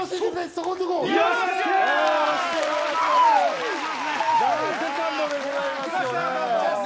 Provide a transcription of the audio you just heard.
そこんところよろしくお願いします。